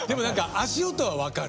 足音分かる。